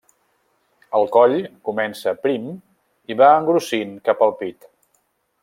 El coll comença prim i va engrossint cap al pit.